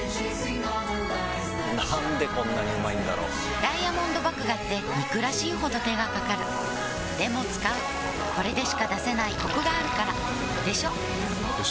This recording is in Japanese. なんでこんなにうまいんだろうダイヤモンド麦芽って憎らしいほど手がかかるでも使うこれでしか出せないコクがあるからでしょよ